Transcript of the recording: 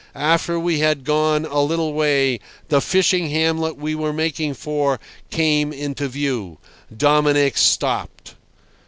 After we had gone a little way, the fishing hamlet we were making for came into view. Dominic stopped.